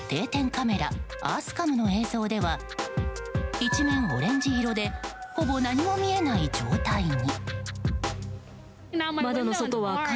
カメラアースカムの映像では一面オレンジ色でほぼ何も見えない状態に。